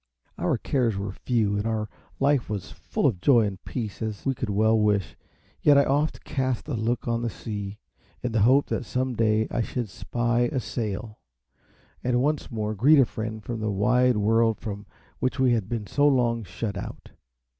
Our cares were few, and our life was as full of joy and peace as we could well wish; yet I oft cast a look on the sea, in the hope that some day I should spy a sail, and once more greet a friend from the wide world from which we had been so long shut out.